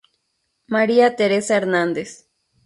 María Teresa Hernández.